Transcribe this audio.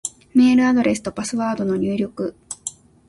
メールアドレスとパスワードの入力